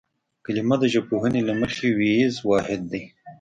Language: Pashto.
کلمه د ژبپوهنې له مخې وییز واحد دی